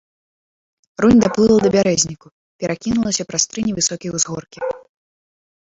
Рунь даплыла да бярэзніку, перакінулася праз тры невысокія ўзгоркі.